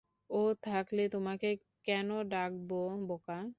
ও থাকলে তোমাকে কেন ডাকবো বোকা?